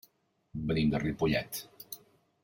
Venim de Ripollet.